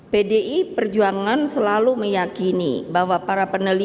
pdi perjuangan selalu meyakini bahwa para peneliti